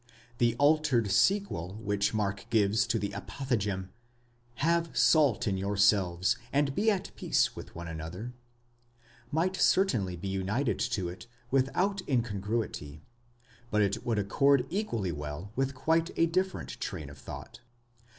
6 The altered sequel which Mark gives to the apothegm (ave salt in yourselves, and be at peace with one another) might certainly be united to it without in congruity, but it would accord equaHy well with quite a different train of thought.